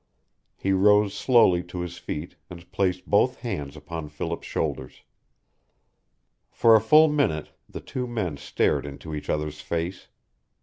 He rose slowly to his feet, and placed both hands upon Philip's shoulders. For a full minute the two men stared into each other's face.